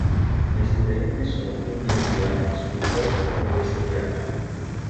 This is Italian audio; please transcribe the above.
Gli studenti sono quindi inviati sui luoghi per investigare.